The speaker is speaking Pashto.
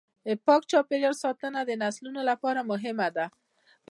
د پاک چاپیریال ساتنه د نسلونو لپاره مهمه ده.